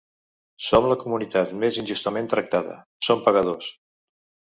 Som la comunitat més injustament tractada, som pagadors.